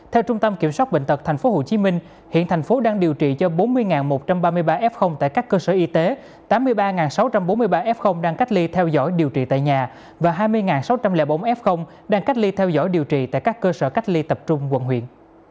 theo trung tâm kiểm soát bệnh tật tp hcm hiện thành phố đang điều trị cho bốn mươi một trăm ba mươi ba f tại các cơ sở y tế tám mươi ba sáu trăm bốn mươi ba f đang cách ly theo dõi điều trị tại nhà và hai mươi sáu trăm linh bốn f đang cách ly theo dõi điều trị tại các cơ sở cách ly tập trung quận huyện